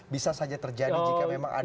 bisa saja terjadi jika memang ada